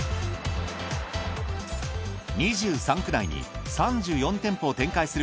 ２３区内に３４店舗を展開する